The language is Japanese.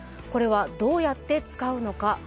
これは、どうやって使うのか。